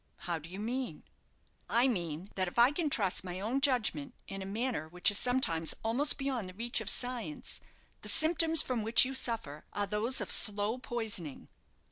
"How do you mean?" "I mean that if I can trust my own judgment in a matter which is sometimes almost beyond the reach of science, the symptoms from which you suffer are those of slow poisoning."